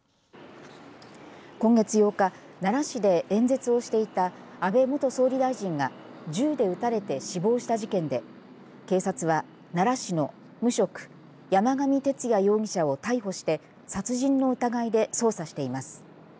今月８日奈良市で演説をしていた安倍元総理大臣が銃で撃たれて死亡した事件で警察は奈良市の無職山上徹也容疑者を逮捕して殺人の疑いで捜査しています。